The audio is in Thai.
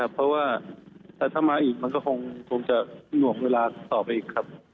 เพราะว่าแต่ถ้ามาอีกมันก็คงจะหน่วงเวลาต่อไปอีกครับ